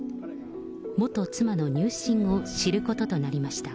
元妻の入信を知ることとなりました。